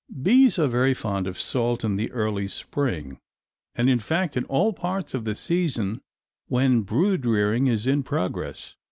Bees are very fond of salt in the early spring, and, in fact, in all parts of the season when brood rearing is in progress.